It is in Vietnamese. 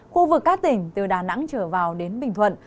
khu vực các tỉnh từ đà nẵng trở vào đến bình thuận